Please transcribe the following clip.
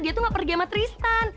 dia tuh gak pergi sama tristan